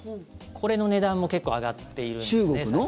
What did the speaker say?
これの値段も結構上がってるんですね、最近。